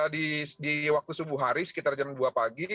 di waktu subuh hari sekitar jam dua pagi